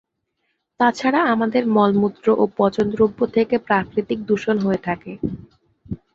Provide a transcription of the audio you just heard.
তাছাড়া আমাদের মলমুত্র ও পচনদ্রব্য থেকে প্রাকৃতিক দূষণ হয়ে থাকে।